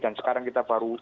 dan sekarang kita baru